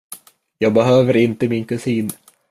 Jag behöver inte min kusin.